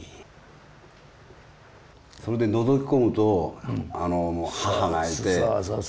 それでのぞき込むと母がいて。